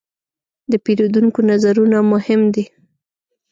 د پیرودونکو نظرونه مهم دي.